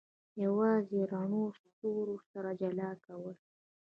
یوازې رڼو ستورو سره جلا کول.